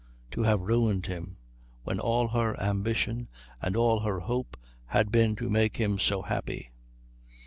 To have ruined him, when all her ambition and all her hope had been to make him so happy....